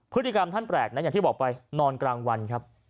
พฤติกรรมท่านแปลกนะอย่างที่บอกไปนอนกลางวันครับ